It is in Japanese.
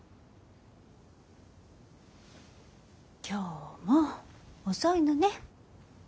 今日も遅いのね。